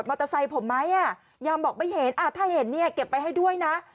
เตอร์ไซค์ผมไหมอ่ะยามบอกไม่เห็นถ้าเห็นเนี่ยเก็บไปให้ด้วยนะ